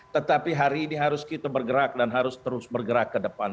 tetapi hari ini harus kita bergerak dan harus terus bergerak ke depan